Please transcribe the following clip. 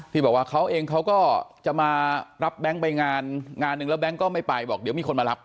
ที่บอกว่าเขาเองเขาก็จะมารับแบงค์ไปงานงานหนึ่งแล้วแก๊งก็ไม่ไปบอกเดี๋ยวมีคนมารับ